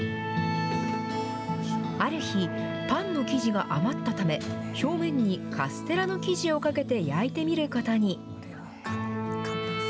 ある日、パンの生地が余ったため、表面にカステラの生地をかけて焼いてみることに。